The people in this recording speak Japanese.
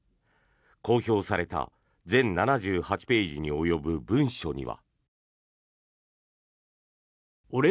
公表された全７８ページに及ぶ文書には。